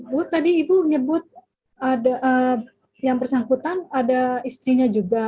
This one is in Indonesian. bu tadi ibu menyebut yang bersangkutan ada istrinya juga